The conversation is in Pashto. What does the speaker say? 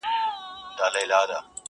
که په کور کي امير دئ، په بهر کي فقير دئ-